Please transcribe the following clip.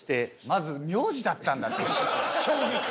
まず名字だったんだ衝撃。